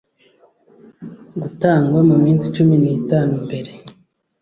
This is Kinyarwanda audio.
gutangwa mu minsi cumi n itanu mbere